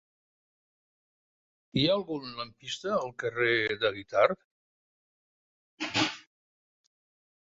Hi ha algun lampista al carrer de Guitard?